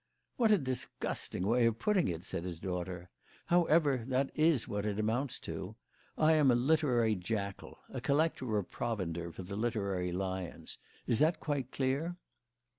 "What a disgusting way to put it!" said his daughter. "However, that is what it amounts to. I am a literary jackal, a collector of provender for the literary lions. Is that quite clear?"